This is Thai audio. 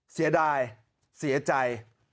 เสียดายเสียใจ